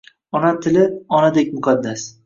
Ona tili onadek muqaddas